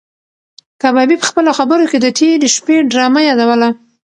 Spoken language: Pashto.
کبابي په خپلو خبرو کې د تېرې شپې ډرامه یادوله.